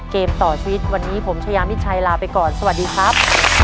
เกมต่อชีวิตวันนี้ผมชายามิชัยลาไปก่อนสวัสดีครับ